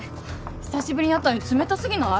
久しぶりに会ったのに冷たすぎない？